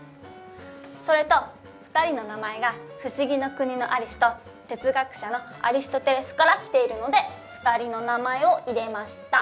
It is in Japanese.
それと２人の名前が「不思議の国のアリス」と哲学者のアリストテレスから来ているので２人の名前を入れました。